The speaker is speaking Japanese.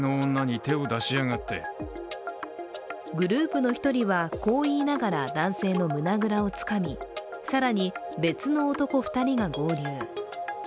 グループの１人はこう言いながら男性の胸倉をつかみ更に別の男２人が合流。